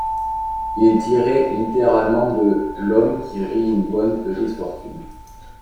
Il tirait littéralement de l’Homme qui Rit une bonne petite fortune.